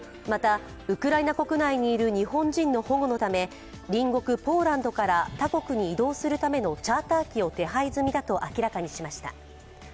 また、ウクライナ国内にいる日本人の保護のため隣国ポーランドから他国に移動するためのチャーター機を手配済みだと明らかにしました。